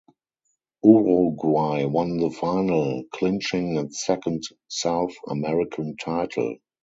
Uruguay won the final, clinching its second South American title.